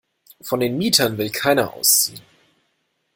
Von den Mietern will keiner ausziehen.